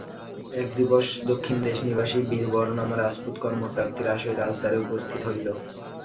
এক দিবস দক্ষিণদেশনিবাসী বীরবরনামা রাজপুত কর্মপ্রাপ্তির আশয়ে রাজদ্বারে উপস্থিত হইল।